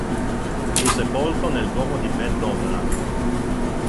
Fu sepolto nel Duomo di Bad Doberan.